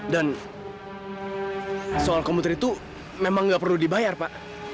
dan soal komputer itu memang gak perlu dibayar pak